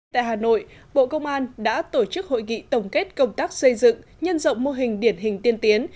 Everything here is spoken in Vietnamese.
tại hà nội bộ công an đã tổ chức hội nghị tổng kết công tác xây dựng nhân rộng mô hình điển hình tiên tiến